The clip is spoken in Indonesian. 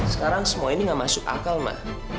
sekarang semua ini gak masuk akal ma